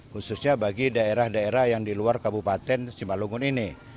khususnya bagi daerah daerah yang di luar kabupaten simalungun ini